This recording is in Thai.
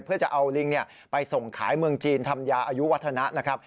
เพื่อจะเอาลิงไปส่งขายเมืองจีนทำยาอายุวัฒนะนะครับ